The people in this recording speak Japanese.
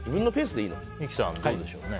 三木さん、どうでしょう。